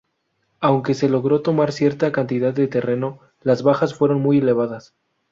Aunque se logró tomar cierta cantidad de terreno, las bajas fueron muy elevadas.